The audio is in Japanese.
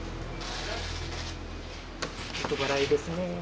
着払いですね。